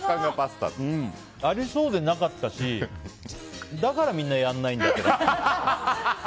ありそうでなかったしだからみんなやらないんだ。